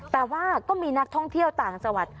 แต่ว่าก็มีนักท่องเที่ยวต่างจังหวัด